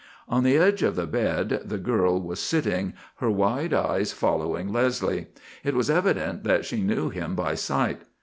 On the edge of the bed the girl was sitting, her wide eyes following Leslie. It was evident that she knew him by sight.